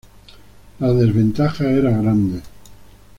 La desventaja era grande.